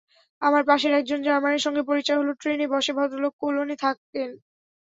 আমার পাশের একজন জার্মানের সঙ্গে পরিচয় হলো ট্রেনে বসে, ভদ্রলোক কোলনে থাকেন।